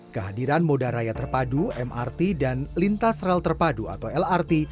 kehadiran moda raya terpadu mrt dan lintas rel terpadu atau lrt